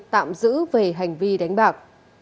tạm giữ về hành vi đánh bạc